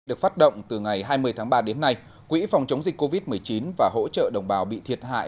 được phát động từ ngày hai mươi tháng ba đến nay quỹ phòng chống dịch covid một mươi chín và hỗ trợ đồng bào bị thiệt hại